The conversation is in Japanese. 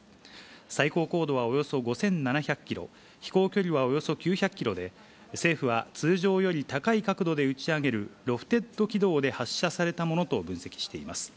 最高高度はおよそ５７００キロ、飛行距離はおよそ９００キロで、政府は通常より高い角度で打ち上げるロフテッド軌道で発射されたものと分析しています。